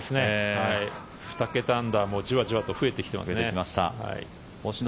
２桁アンダーもじわじわと増えてきていますね。